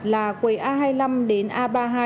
là quầy a hai mươi năm đến a ba mươi hai